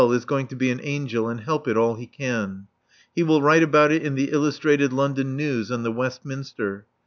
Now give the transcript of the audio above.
is going to be an angel and help it all he can. He will write about it in the Illustrated London News and the Westminster.